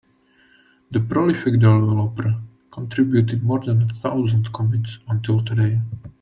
The prolific developer contributed more than a thousand commits until today.